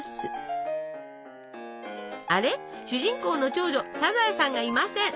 あれ主人公の長女サザエさんがいません。